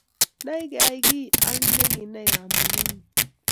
Nai keiaki ak kinai kamuget ngung